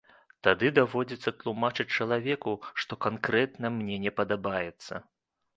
Тады даводзіцца тлумачыць чалавеку, што канкрэтна мне не падабаецца.